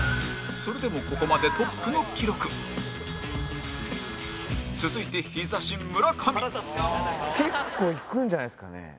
それでもここまでトップの記録続いて、ヒザ神、村上結構いくんじゃないんですかね。